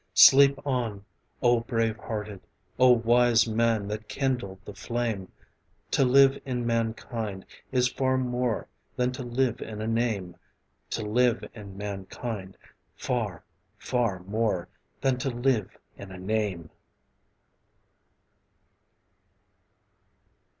Sleep on, O brave hearted, O wise man that kindled the flame To live in mankind is far more than to live in a name, To live in mankind, far, far more than to live in a name!